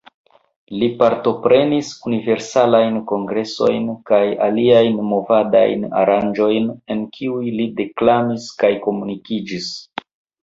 Li partoprenis Universalajn Kongresojn kaj aliajn movadajn aranĝojn, en kiuj li deklamis kaj komunikiĝis.